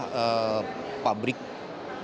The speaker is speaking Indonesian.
pembangunan pertemuan indonesia dan pertemuan jawa tengah